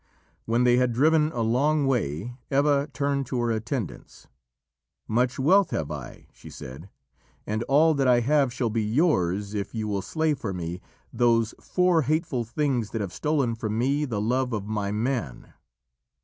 When they had driven a long way, Eva turned to her attendants: "Much wealth have I," she said, "and all that I have shall be yours if you will slay for me those four hateful things that have stolen from me the love of my man."